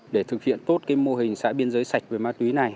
để thực hiện tốt cái mô hình xã biên giới sạch về ma túy này